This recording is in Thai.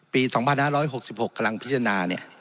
ปี๒๕๖๖กำลังพิจารณา